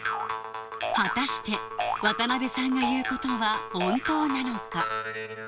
果たして渡辺さんが言うことは本当なのか？